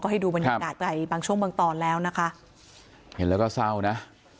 ให้ดูบรรยากาศไปบางช่วงบางตอนแล้วนะคะเห็นแล้วก็เศร้านะ